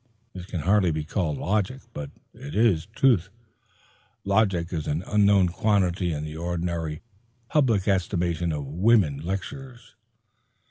This can hardly be called logic, but it is truth. Logic is an unknown quantity in the ordinary public estimation of women lecturers.